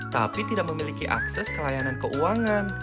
tapi tidak memiliki akses ke layanan keuangan